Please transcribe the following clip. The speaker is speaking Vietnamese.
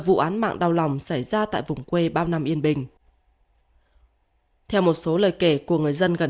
những loạn đau lòng xảy ra tại vùng quê bao năm yên bình theo một số lời kể của người dân gần